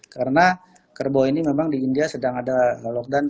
karena kerbau ini memang di india sedang ada lockdown